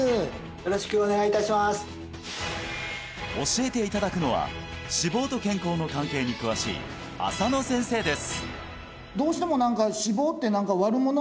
よろしくお願いいたします教えていただくのは脂肪と健康の関係に詳しい浅野先生です